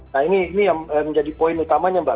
nah ini yang menjadi poin utamanya mbak